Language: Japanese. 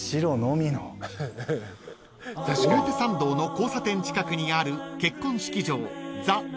［表参道の交差点近くにある結婚式場］